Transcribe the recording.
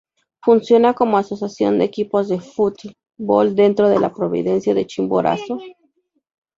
Funciona como asociación de equipos de fútbol dentro de la Provincia de Chimborazo.